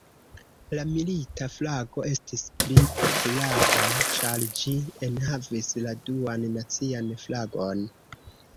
La Milita Flago estis pli populara, ĉar ĝi enhavis la Duan Nacian Flagon.